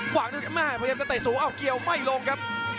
พยายามจะเตะสู่เกี่ยวไม่ลงครับ